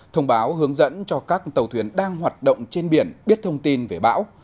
thông báo hướng dẫn cho các tàu thuyền đang hoạt động trên biển biết thông tin về bão